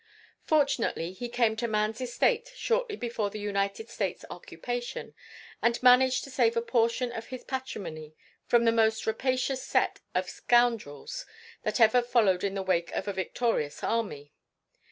Fortunately, he came to man's estate shortly before the United States occupation, and managed to save a portion of his patrimony from the most rapacious set of scoundrels that ever followed in the wake of a victorious army.